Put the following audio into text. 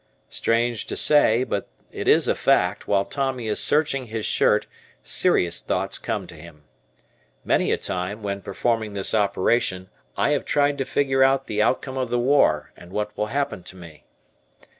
Strange to say, but it is a fact, while Tommy is searching his shirt, serious thoughts come to him. Many a time, when performing this operation, I have tried to figure out the outcome of the war and what will happen to me.